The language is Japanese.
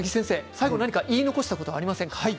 最後に言い残したことありますか。